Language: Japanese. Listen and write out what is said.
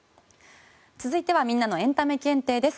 続いてはみんなのエンタメ検定です。